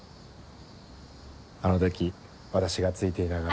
あの時私がついていながら。